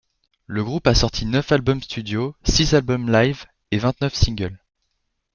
Le groupe a sorti neuf albums studios, six albums live et vingt-neuf singles.